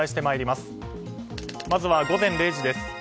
まずは午前０時です。